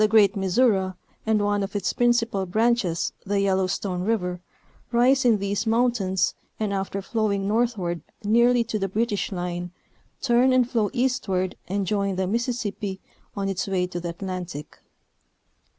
great Missouri and one of its principal branches, the Yellowstone River, rise in these mountains and after flowing northward nearly to the British line turn and flow eastward and join the Mississippi on its way to the Atlantic.